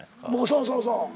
そうそうそう。